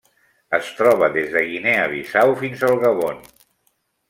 Es troba des de Guinea Bissau fins al Gabon.